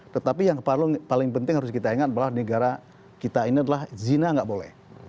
tetapi yang paling penting harus kita ingat adalah negara kita ini adalah zina nggak boleh